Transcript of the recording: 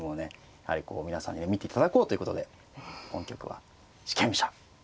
やはりこう皆さんに見ていただこうということで本局は四間飛車。